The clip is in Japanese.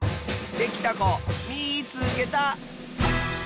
できたこみいつけた！